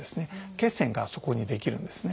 血栓がそこに出来るんですね。